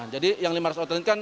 jadi yang lima ratus outlet